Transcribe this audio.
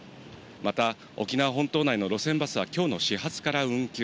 また、沖縄本島内の路線バスはきょうの始発から運休。